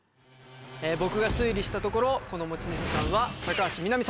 僕が推理したところこの持ち主さんは。